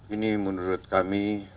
ini menurut kami